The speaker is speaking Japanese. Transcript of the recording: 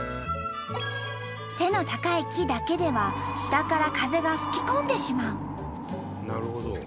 背の高い木だけでは下から風が吹き込んでしまう。